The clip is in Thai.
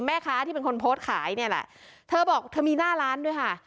แม่ค้าที่เป็นคนโพสต์ขายเนี่ยแหละเธอบอกเธอมีหน้าร้านด้วยค่ะ